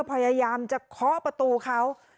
พยายามจะเคาะประตูเขา